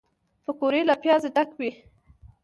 پکورې له پیازو ډکې وي